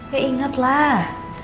ya inget lah